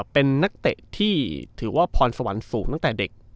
เป็นนักเตะที่ถือว่าพรสวรรค์สูงตั้งแต่เด็ก